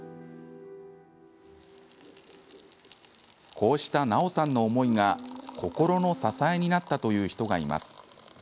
こうしたナオさんの思いが心の支えになったという人がいます。